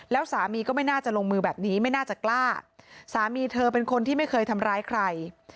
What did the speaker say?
แล้วสามีก็ไม่น่าจะลงมือแบบนี้ไม่น่าจะกล้าสามีเธอเป็นคนที่ไม่เคยทำร้ายใคร